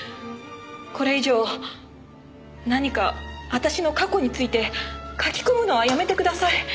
これ以上何か私の過去について書き込むのはやめてください。